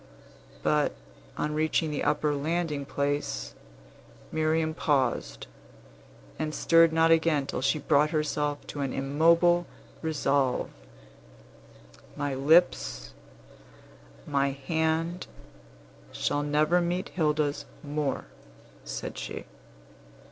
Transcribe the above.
But, on reaching the upper landing place, Miriam paused, and stirred not again till she had brought herself to an immovable resolve. "My lips, my hand, shall never meet Hilda's more," said she.